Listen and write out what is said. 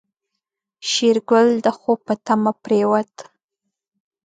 شېرګل د خوب په تمه پرېوت.